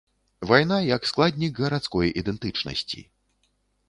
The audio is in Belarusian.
Вайна як складнік гарадской ідэнтычнасці.